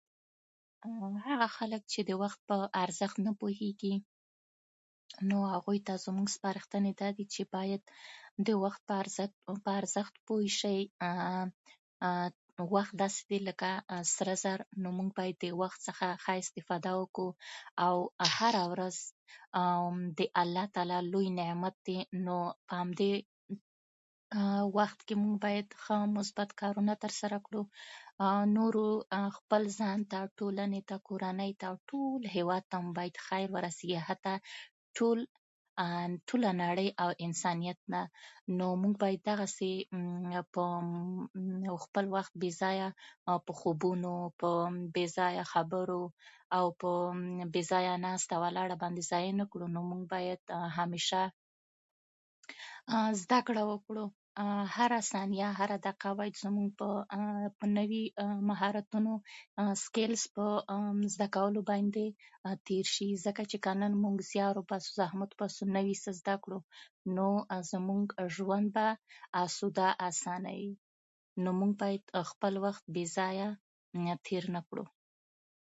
هغه خلک چې د وخت په ارزښت نه پوهیږي نو هغوی ته زموز سپارښتنې دا دي چې بايد د وخت په ارزښت پوه شئ وخت داسې دی لکه سره زر نو بايد موږ د وخت څخه ښه استفاده وکړو او هره ورځ چې د الله تعالی لوی نعمت دی بايد په همدي وخت کې موږ ښه ، مثبت کارونه تر سره کړو نورو ته ځان ته ټولني او کورني ته او ټوله هيواد ته مو خير ورسیږی حتی ټولې نړي ته مو انسانيت ته ورسيږی نو موژ بايد دغسی خپل وخت بي ځايه په خوبونو په بي ځايه خبرو او بې ځايه ناسته ولاړه باندي ضایع نکړو نو موږ بايد هميشه زده کړه وکړو هره ثانيه هره دقيقه بايد زموږ په نويو مهارتونو نوي سکيلونو په زده کولو باندي تير شي ځکه که نن موز زيار وباسو زحمت وباسو نوي څه ذده کړو نو زموږ ژوند به اسانه وي نو موږ بايد خپل وخت بي ځايه تير نکړو.